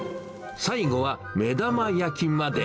最後は目玉焼きまで。